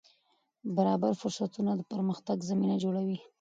برابر فرصتونه د پرمختګ زمینه جوړوي.